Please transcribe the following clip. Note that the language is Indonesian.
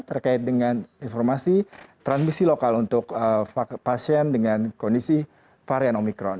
terkait dengan informasi transmisi lokal untuk pasien dengan kondisi varian omikron